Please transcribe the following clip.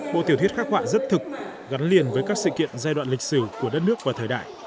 bộ tiểu thuyết khắc họa rất thực gắn liền với các sự kiện giai đoạn lịch sử của đất nước và thời đại